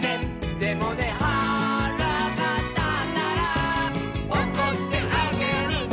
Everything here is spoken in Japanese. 「でもねはらがたったら」「おこってあげるね」